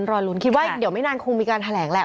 รอลุ้นคิดว่าเดี๋ยวไม่นานคงมีการแถลงแหละ